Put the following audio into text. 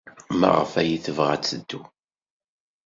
Maɣef ay tebɣa ad teddu?